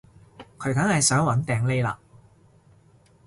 佢梗係想搵掟匿喇